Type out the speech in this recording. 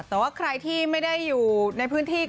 แต่ว่าใครที่ไม่ได้อยู่ในพื้นที่